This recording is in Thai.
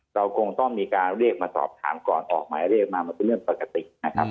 เราคงต้องมีการเรียกมาสอบถามก่อนออกหมายเรียกมามันเป็นเรื่องปกตินะครับ